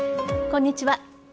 こんにちは。